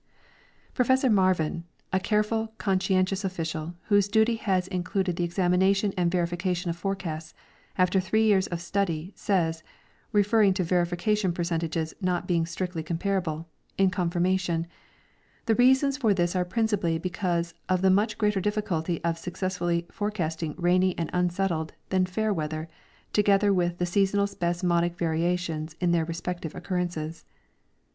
Professor Marvin, a careful, conscientious official, whose duty has included the examination and verification of forecasts, after three years of study, says (referring to verification percentages not being strictly comparable) in confirmation :" The reasons for this are principally because of the much greater difficulty of successfully forecasting rainy and unsettled than fair weather, together with the seasonal spasmodic variations in their respect ive occurrences."